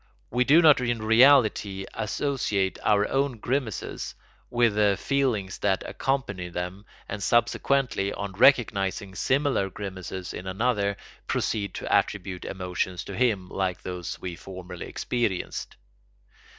We do not in reality associate our own grimaces with the feelings that accompany them and subsequently, on recognising similar grimaces in another, proceed to attribute emotions to him like those we formerly experienced.